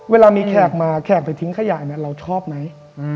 เวลามีแขกมาแขกไปทิ้งขยะเราชอบไหม